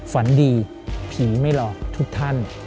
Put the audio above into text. ฝันดีผีไม่หลอกทุกท่าน